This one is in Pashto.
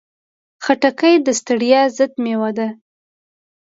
خټکی د ستړیا ضد مېوه ده.